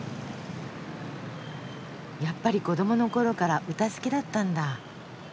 やっぱり子どものころから歌好きだったんだ。